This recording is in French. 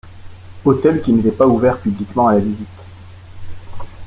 Hôtel qui n'était pas ouvert publiquement à la visite.